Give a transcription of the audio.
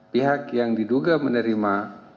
pihak yang diduga menerima